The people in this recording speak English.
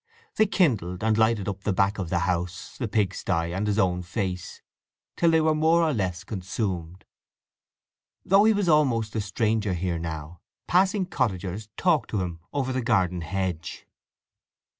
They kindled, and lighted up the back of the house, the pigsty, and his own face, till they were more or less consumed. Though he was almost a stranger here now, passing cottagers talked to him over the garden hedge.